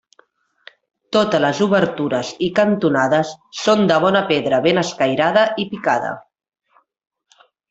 Totes les obertures i cantonades són de bona pedra ben escairada i picada.